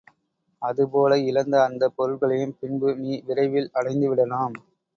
அது போல இழந்த அந்தப் பொருள்களையும் பின்பு நீ விரைவில் அடைந்து விடலாம்.